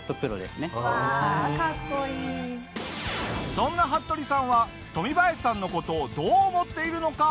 そんな服部さんはトミバヤシさんの事をどう思っているのか？